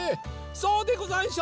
そうでござんしょ？